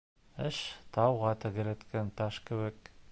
Эш тауға тәгәрәткән таш кеүек: